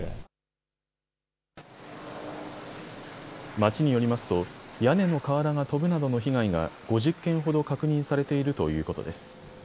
町によりますと屋根の瓦が飛ぶなどの被害が５０件ほど確認されているということです。